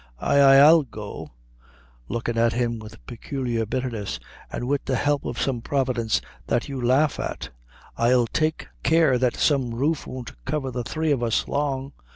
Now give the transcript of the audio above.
"Ay, ay, I'll go," looking at him with peculiar bitterness, "an wid the help of the same Providence that you laugh at, I'll take care that the same roof won't cover the three of us long.